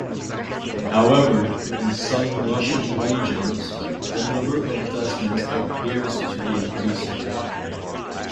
However, in some Russian regions, the number of desmans appears to be increasing.